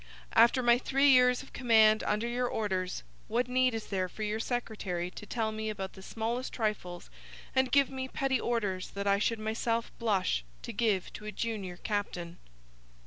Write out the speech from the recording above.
After my three years of command under your orders what need is there for your secretary to tell me about the smallest trifles and give me petty orders that I should myself blush to give to a junior captain?'